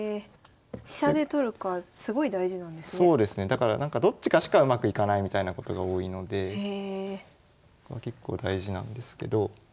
だからどっちかしかうまくいかないみたいなことが多いので結構大事なんですけど。